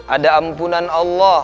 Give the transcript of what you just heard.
ada ampunan allah